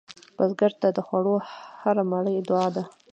بزګر ته د خوړو هره مړۍ دعا ده